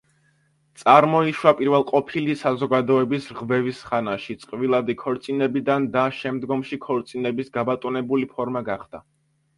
წარმოიშვა პირველყოფილი საზოგადოების რღვევის ხანაში წყვილადი ქორწინებიდან და შემდომში ქორწინების გაბატონებული ფორმა გახდა.